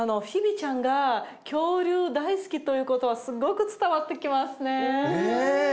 フィービーちゃんが恐竜大好きということはすごく伝わってきますね。ね。